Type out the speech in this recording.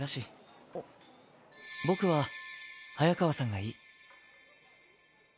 僕は早川さんがいい。